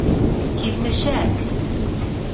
Килмешәк!